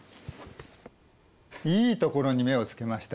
いいところに目をつけましたね。